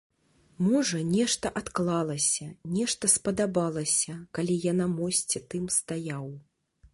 Можа, нешта адклалася, нешта спадабалася, калі я на мосце тым стаяў.